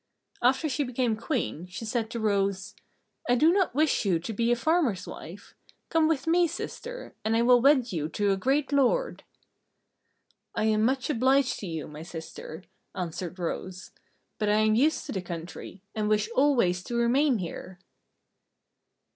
After she became Queen, she said to Rose: "I do not wish you to be a farmer's wife. Come with me, sister, and I will wed you to a great lord." "I am much obliged to you, my sister," answered Rose, "but I am used to the country, and wish always to remain here."